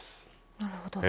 なるほど。